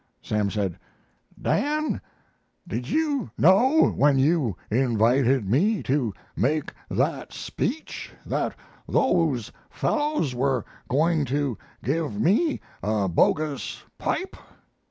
"Sam said, 'Dan, did you know, when you invited me to make that speech, that those fellows were going to give me a bogus pipe?'